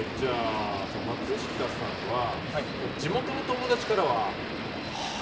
松下さんは地元の友達からはは？